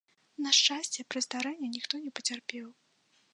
На шчасце, пры здарэнні ніхто не пацярпеў.